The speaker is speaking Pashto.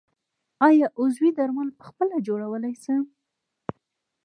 آیا عضوي درمل پخپله جوړولی شم؟